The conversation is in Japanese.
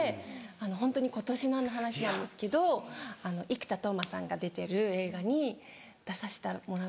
ホントに今年の話なんですけど生田斗真さんが出てる映画に出さした。